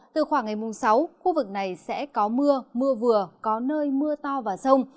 từ khoảng ngày sáu khu vực này sẽ có mưa mưa vừa có nơi mưa to và rông